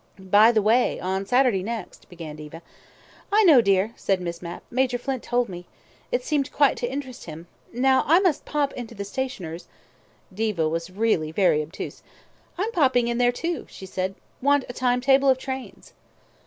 "By the way, on Saturday next " began Diva. "I know, dear," said Miss Mapp. "Major Flint told me. It seemed quite to interest him. Now I must pop into the stationer's " Diva was really very obtuse. "I'm popping in there, too," she said. "Want a timetable of the trains."